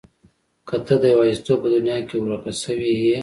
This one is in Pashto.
که ته د يوازيتوب په دنيا کې ورکه شوې يې.